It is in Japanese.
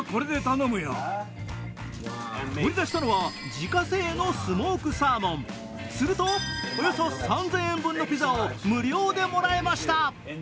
取り出したのは自家製のスモークサーモンすると、およそ３０００円分のピザを無料でもらえました。